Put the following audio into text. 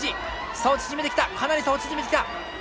差を縮めてきたかなり差を縮めてきた！